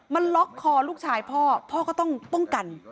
มันล็อกคอลูกชายพ่อพ่อก็ต้องป้องกัน